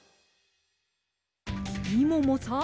みももさん。